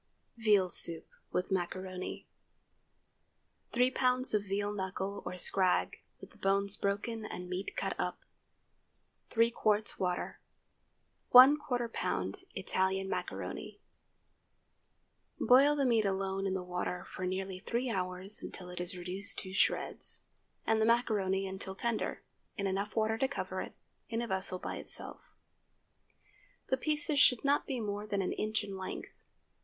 VEAL SOUP WITH MACARONI. ✠ 3 lbs. of veal knuckle or scrag, with the bones broken and meat cut up. 3 qts. water. ¼ lb. Italian macaroni. Boil the meat alone in the water for nearly three hours until it is reduced to shreds; and the macaroni until tender, in enough water to cover it, in a vessel by itself. The pieces should not be more than an inch in length.